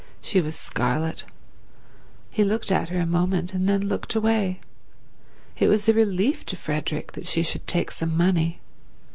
She was scarlet. He looked at her a moment and then looked away. It was a relief to Frederick that she should take some money.